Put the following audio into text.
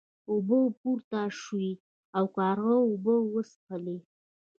اوبه پورته شوې او کارغه اوبه وڅښلې.